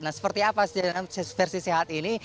nah seperti apa versi sehat ini